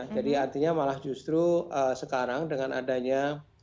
jadi artinya malah justru sekarang dengan adanya